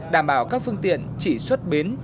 đảm bảo các phương tiện chỉ xuất biến